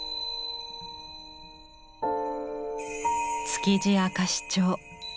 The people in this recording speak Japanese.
「築地明石町」。